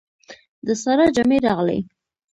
د سارا جامې راغلې.